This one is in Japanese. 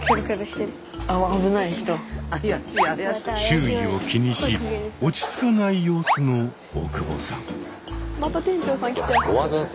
周囲を気にし落ち着かない様子の大久保さん。